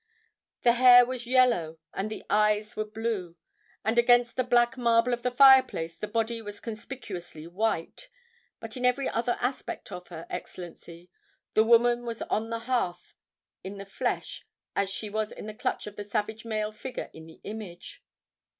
The hair was yellow, and the eyes were blue; and against the black marble of the fireplace the body was conspicuously white. But in every other aspect of her, Excellency, the woman was on the hearth in the flesh as she is in the clutch of the savage male figure in the image.